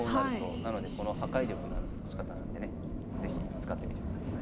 なのでこの破壊力のある指し方なんでね是非使ってみてください。